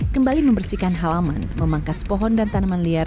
kembali membersihkan halaman memangkas pohon dan tanaman liar